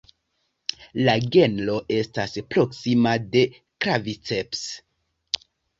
La genro estas proksima de "Claviceps".